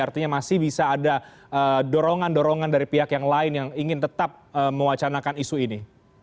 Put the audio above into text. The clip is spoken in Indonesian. artinya masih bisa ada dorongan dorongan dari pihak yang lain yang ingin tetap mewacanakan isu ini